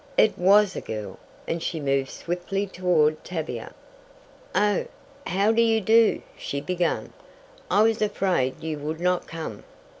It was a girl, and she moved swiftly toward Tavia. "Oh, how do you do?" she began. "I was afraid you would not come."